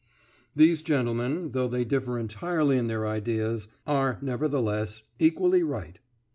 These gentlemen, though they differ entirely in their ideas, are, nevertheless, equally right.